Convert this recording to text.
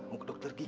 mau ke dokter gigi